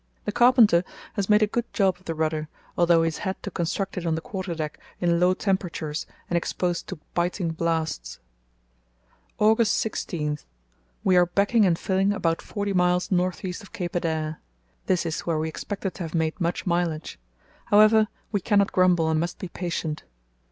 The carpenter has made a good job of the rudder, although he has had to construct it on the quarterdeck in low temperatures and exposed to biting blasts. "August 16.—We are 'backing and filling' about forty miles north east of Cape Adare. This is where we expected to have made much mileage. However, we cannot grumble and must be patient.